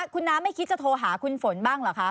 คุณน้าไม่คิดจะโทรหาคุณฝนบ้างเหรอคะ